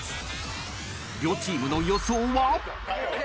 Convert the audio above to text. ［両チームの予想は］